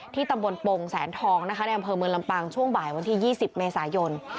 ตำบลปงแสนทองนะคะในอำเภอเมืองลำปางช่วงบ่ายวันที่๒๐เมษายน